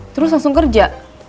terus langsung kerja